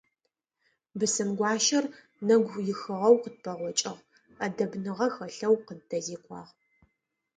Бысымгуащэр нэгуихыгъэу къытпэгъокӏыгъ, ӏэдэбныгъэ хэлъэу къыддэзекӏуагъ.